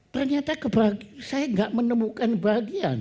ternyata saya tidak menemukan bahagian